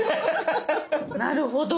なるほど！